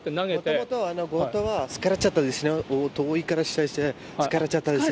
もともと、強盗は疲れちゃった、もともと強盗は疲れちゃったです。